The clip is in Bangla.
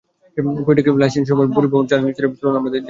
পোয়েটিক লাইসেন্সের সময় পরিভ্রমণ যানে চড়ে, চলুন আমরা জায়গাটা দেখে আসি।